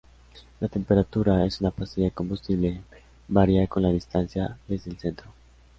La temperatura en una pastilla combustible varía con la distancia desde el centro.